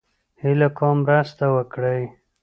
هيله کوم مرسته وکړئ